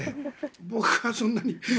僕はそんなに。